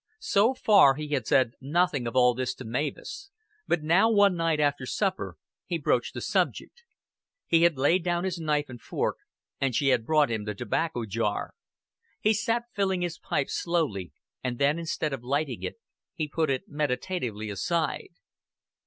So far he had said nothing of all this to Mavis, but now one night after supper he broached the subject. He had laid down his knife and fork, and she had brought him the tobacco jar. He sat filling his pipe slowly, and then instead of lighting it he put it meditatively aside.